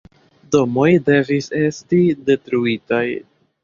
Domoj devis esti detruitaj.